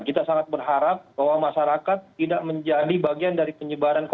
kita sangat berharap bahwa masyarakat tidak menjadi bagian dari penyelenggaraan